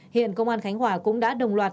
hiện công an khánh hòa cũng đã đồng loạt